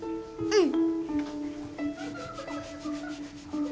うん。